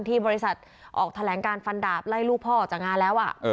ที่บริษัทออกแถลงการฟันดาบไล่ลูกพ่อออกจากงานแล้ว